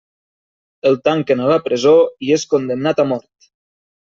El tanquen a la presó i és condemnat a mort.